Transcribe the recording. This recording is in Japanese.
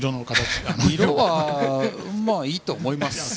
色はまあいいと思います。